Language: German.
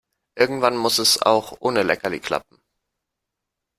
Irgendwann muss es auch ohne Leckerli klappen.